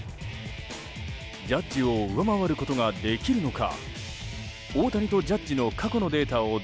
ジャッジを上回ることができるのか。